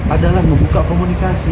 adalah membuka komunikasi